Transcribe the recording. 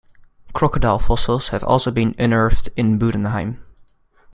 Crocodile fossils have also been unearthed in Budenheim.